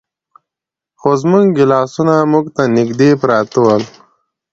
خو زموږ ګیلاسونه موږ ته نږدې پراته ول.